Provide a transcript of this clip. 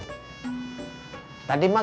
besok kita jadi kemakam